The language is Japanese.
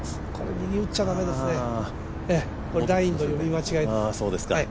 右打っちゃだめですね、ラインの読み間違いです。